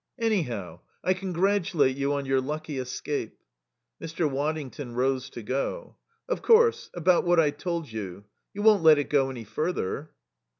"Anyhow, I congratulate you on your lucky escape." Mr. Waddington rose to go. "Of course about what I told you you won't let it go any further?"